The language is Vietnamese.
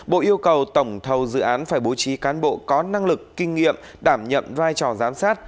bộ yêu cầu tổng thầu dự án phải bố trí cán bộ có năng lực kinh nghiệm đảm nhận vai trò giám sát